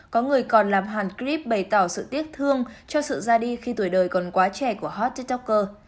có người còn làm hàn clip bày tỏ sự tiếc thương cho sự ra đi khi tuổi đời còn quá trẻ của hot tiktoker